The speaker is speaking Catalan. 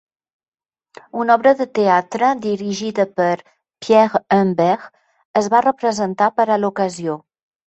Una obra de teatre, dirigida per Pierre Humbert, es va representar per a l'ocasió.